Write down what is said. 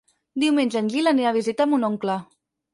Diumenge en Gil anirà a visitar mon oncle.